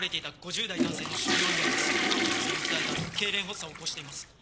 腹痛を訴えた後けいれん発作を起こしています。